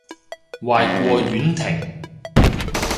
壞過婉婷